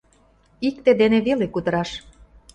Икте ден веле кутыраш.